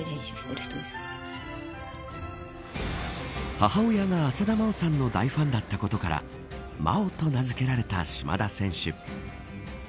母親が浅田真央さんの大ファンだったことからまおと名付けられた島田選手。